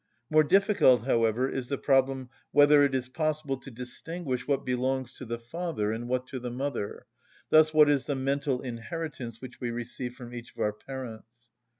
More difficult, however, is the problem whether it is possible to distinguish what belongs to the father and what to the mother, thus what is the mental inheritance which we receive from each of our parents.